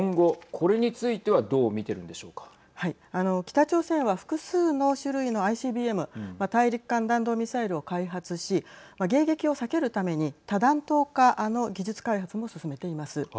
北朝鮮は複数の種類のＩＣＢＭ＝大陸間弾道ミサイルを開発し迎撃を避けるために多弾頭化の技術開発も進めています。